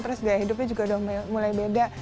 terus gaya hidupnya juga udah mulai beda